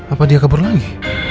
apa dia kabur lagi